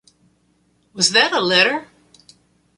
Was that a letter?